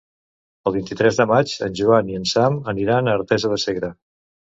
El vint-i-tres de maig en Joan i en Sam aniran a Artesa de Segre.